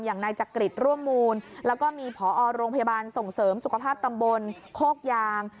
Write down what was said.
อย่างนายจักริตร่วมมูลแล้วก็มีผอโรงพยาบาลส่งเสริมสุขภาพตำบลโคกยาง